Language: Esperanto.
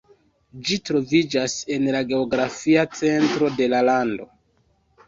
Ĝi troviĝas en la geografia centro de la lando.